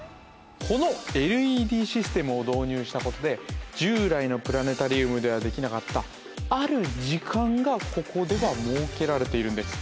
このＬＥＤシステムを導入したことで従来のプラネタリウムではできなかったある時間がここでは設けられているんです